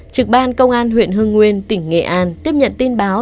trực ban công an huyện hưng nguyên tỉnh nghệ an tiếp nhận tin báo